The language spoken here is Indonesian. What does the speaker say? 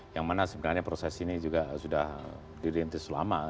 yang mana sebenarnya proses ini juga sudah dirintis lama